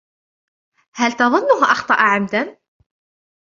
هل تظنه أخطأ عمدًا ؟